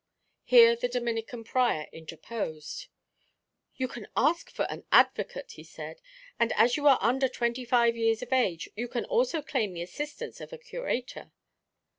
Here the Dominican prior interposed. "You can ask for an advocate," he said; "and as you are under twenty five years of age, you can also claim the assistance of a curator.